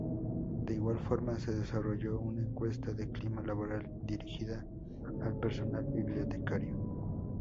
De igual forma, se desarrolló una encuesta de clima laboral, dirigida al personal bibliotecario.